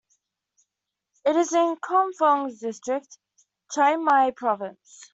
It is in Chom Thong District, Chiang Mai Province.